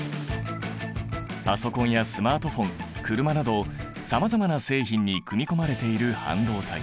パソコンやスマートフォン車などさまざまな製品に組み込まれている半導体。